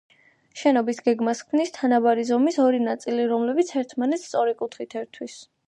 შენობის გეგმას ქმნის თანაბარი ზომის ორი ნაწილი, რომლებიც ერთმანეთს სწორი კუთხით ერთვის.